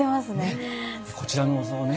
こちらのお像ね